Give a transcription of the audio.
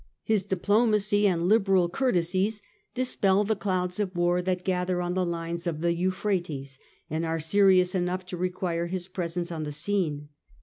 His diplomacy and liberal courtesies dispel the . clouds of war that gather on the lines of the Euphrates and are serious enough to require his presence on the scene.